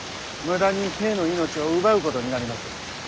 無駄に兵の命を奪うことになります。